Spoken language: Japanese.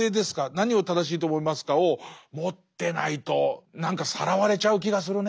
何を正しいと思いますか？」を持ってないと何かさらわれちゃう気がするね。